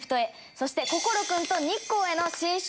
そして「心君と日光へ！」の新春